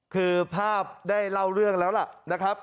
คือภาพได้เล่าเรื่องแล้วล่ะนะครับ